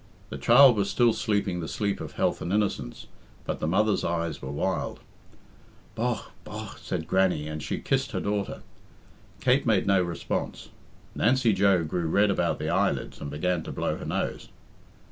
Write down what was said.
The child was still sleeping the sleep of health and innocence, but the mother's eyes were wild. "Bogh, bogh!" said Grannie, and she kissed her daughter. Kate made no response. Nancy Joe grew red about the eyelids and began to blow her nose.